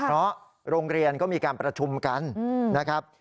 เพราะโรงเรียนก็มีการประชุมกันนะครับ